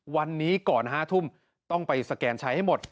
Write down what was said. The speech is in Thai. วันนี้ก่อน๕ทุ่มต้องไปสแกนใช้ให้หมด